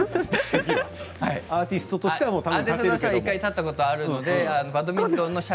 アーティストとしては立ったけど？